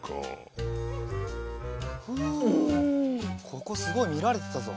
ここすごいみられてたぞ。